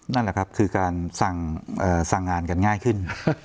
นั่นแหละครับคือการสั่งงานกันง่ายขึ้น